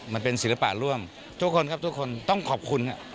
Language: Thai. มันเป็นศิลปะร่วมทุกคนครับทุกคนต้องขอบคุณครับ